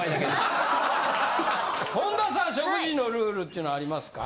本田さん食事のルールっちゅうのはありますか？